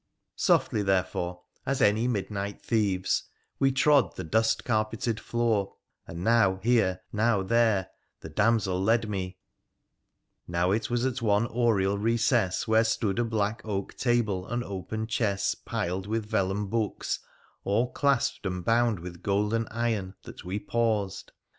Softly, therefore, as any midnight thieves we trod the dust carpeted floor, and now here, now there, the damsel led me, Now it was at one oriel recess where stood a black oak table and open chests piled with vellum books, all clasped and bound with gold and iron, that we paused.